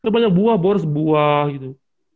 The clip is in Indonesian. banyak buah boros buah gitu